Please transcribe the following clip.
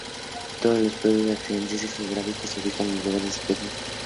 Todas estos pueblos y accidentes geográficos se ubicaban en lugares dispares de Europa.